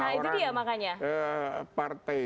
nah itu dia makanya partai